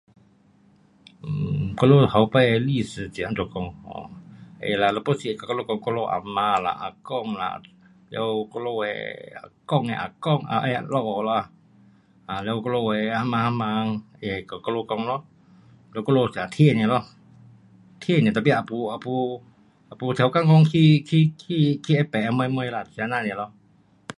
呃，我们头次的历史是怎样讲 um。会啦，你 pun 是会跟我们讲我们阿嫲咯，阿公啦，完，我们的阿公的阿公，呃啊老夫啦。啊完，我们的谁人谁人跟我们讲咯。嘞我们就听尔咯。听尔 tapi 也没也没也没特地去认什么么啦，就是这样尔咯。